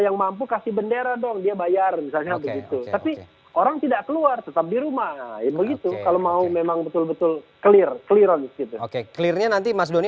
nanti keluarga yang mampu